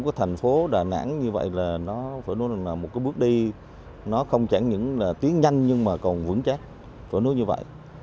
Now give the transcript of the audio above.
những thành phố đà nẵng như vậy là một bước đi không chẳng những là tuyến nhanh nhưng mà còn vững chắc phải nói như vậy